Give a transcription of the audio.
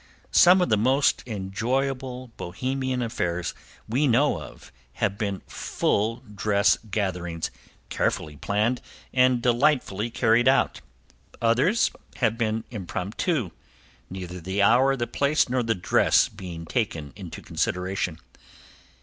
Some of the most enjoyable Bohemian affairs we know of have been full dress gatherings, carefully planned and delightfully carried out; others have been impromptu, neither the hour, the place, nor the dress being taken into consideration.